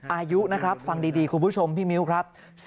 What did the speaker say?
อายุนะครับฟังดีคุณผู้ชมพี่มิ้วครับ